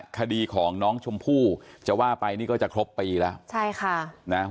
คดีของน้องชมพู่จะว่าไปนี่ก็จะครบปีแล้วใช่ค่ะนะ